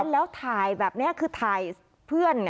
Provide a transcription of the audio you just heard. แล้วถ่ายแบบนี้คือถ่ายเพื่อน